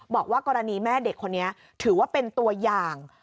บอกว่ากรณีแม่เด็กคนนี้ถือว่าเป็นตัวอย่าง